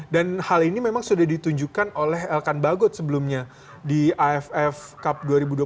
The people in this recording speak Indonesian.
dan hal ini memang sudah ditunjukkan oleh elkan bagot sebelumnya di iff cup dua ribu dua puluh dua dua ribu dua puluh